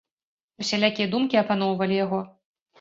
Усялякія думкі апаноўвалі яго.